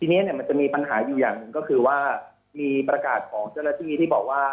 ทีนี้เนี่ยมันจะมีปัญหาอยู่อย่างหนึ่งก็คือว่ามีประกาศของเจ้าหน้าที่ที่บอกว่า